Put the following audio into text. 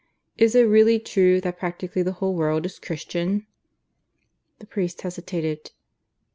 Is it really true that practically the whole world is Christian?" The priest hesitated.